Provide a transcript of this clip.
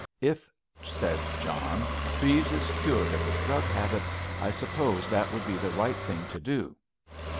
"If," said John, "Treves is cured of his drug habit, I suppose that would be the right thing to do."